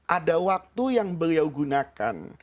ada waktu yang beliau gunakan